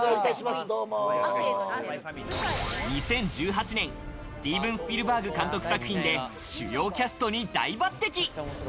２０１８年、スティーヴン・スピルバーグ監督作品で主要キャストに大抜擢。